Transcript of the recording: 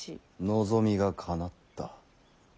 望みがかなった。